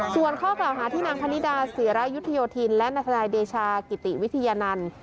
ส่วนข้อกล่าวหาที่นางพนิดาศิรายุทธโยธินและนายธนายเดชากิติวิทยานันต์